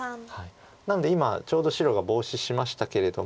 なので今ちょうど白がボウシしましたけれども。